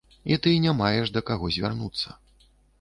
І ты не маеш да каго звярнуцца.